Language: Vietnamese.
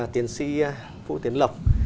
tiến sĩ vũ tiến lập